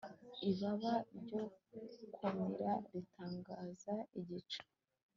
Ibaba ryo kumira ritangaza igicu